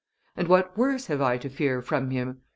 And what worse have I to fear from him?